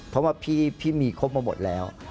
เพราะว่าพี่มีครบมาหมดแล้ว